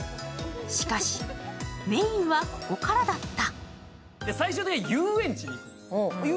しかし、メインはここからだった。